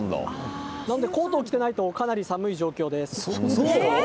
コートを着ていないとかなり寒い状況です。